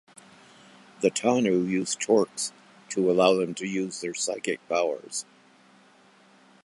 The Tanu use torcs to allow them to use their psychic powers.